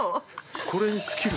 ◆これに尽きる。